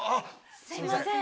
すいません。